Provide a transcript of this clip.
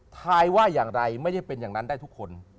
ทายว่าอย่างไรไม่ได้เป็นอย่างนั้นได้ทุกคน